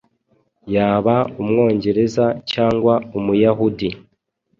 Yaba Umwongereza cyangwa Umuyahudi.